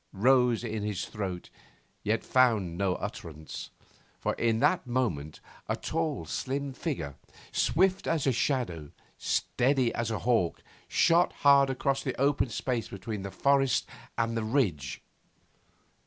rose in his throat, yet found no utterance, for in that moment a tall, slim figure, swift as a shadow, steady as a hawk, shot hard across the open space between the forest and the ridge.